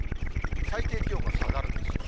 最低気温が下がるんですよ。